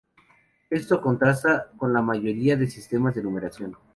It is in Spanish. Esto contrasta con la mayoría de sistemas de numeración.